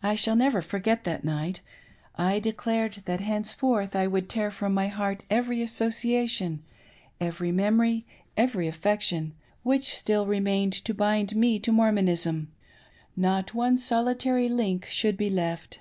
j I shall never forget that night. I declared that henceforth t would tear from my heart every association — every mem ory— every affection, which still remained to bind me to Mor monism — not one solitary link should be left.